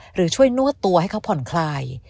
หรือช่วยนวดตัวให้เขาผ่อนคลาย